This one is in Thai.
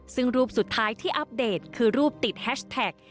ซึ่งรูปสุดท้ายที่อัปเดตคือรูปติดแฮชแท็ก